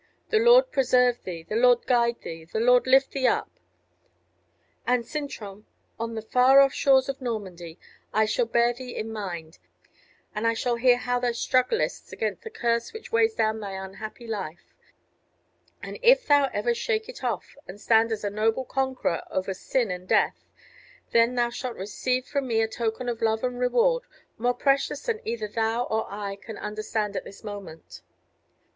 The Lord preserve thee, the Lord guide thee, the Lord lift thee up! And, Sintram, on the far off shores of Normandy I shall bear thee in mind, and I shall hear how thou strugglest against the curse which weighs down thy unhappy life; and if thou ever shake it off, and stand as a noble conqueror over Sin and Death, then thou shalt receive from me a token of love and reward, more precious then either thou or I can understand at this moment."